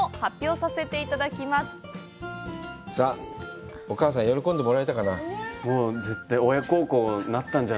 さあ、お母さん喜んでもらえたかな？